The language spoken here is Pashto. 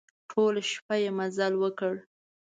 ټوله شپه يې مزل وکړ.